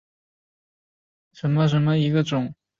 滇南狸尾豆为豆科狸尾豆属下的一个种。